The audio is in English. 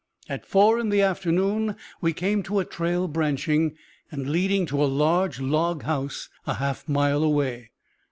At four in the afternoon we came to a trail branching and leading to a large log house a half mile away.